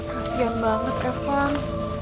kasian banget evan